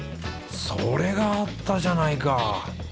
それがあったじゃないか。